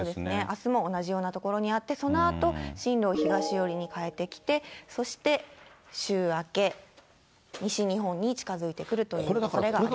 あすも同じような所にあって、そのあと進路を東寄りに変えてきて、そして週明け、西日本に近づいてくるというおそれがあります。